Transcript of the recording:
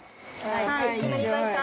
はい決まりました。